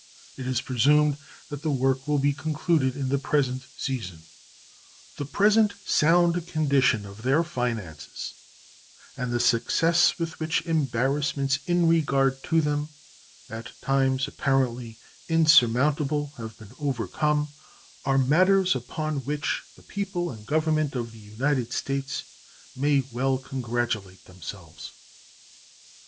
It is presumed that the work will be concluded in the present season. The present sound condition of their finances and the success with which embarrassments in regard to them, at times apparently insurmountable, have been overcome are matters upon which the people and Government of the United States may well congratulate themselves.